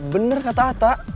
bener kata atta